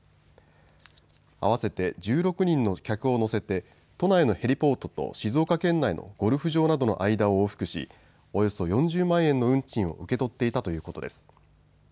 合わせて１６人の客を乗せて都内のヘリポートと静岡県内のゴルフ場などの間を往復しおよそ４０万円の運賃を受け取っていたということです。